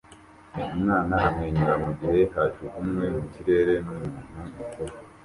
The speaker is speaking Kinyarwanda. Umwana amwenyura mugihe bajugunywe mu kirere numuntu mukuru